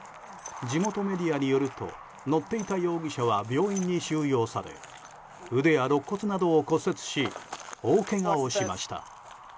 地元メディアによると乗っていた容疑者は病院に収容され腕や肋骨などを骨折し大けがをしました。